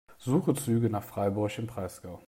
Suche Züge nach Freiburg im Breisgau.